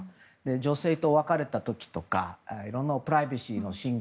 女性と別れた時とかいろいろなプライバシーの侵害。